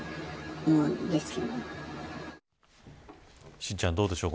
心ちゃん、どうでしょう